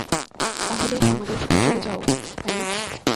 তাহলে, আমাদের শুধু চলে যাওয়া উচিত, তাই না?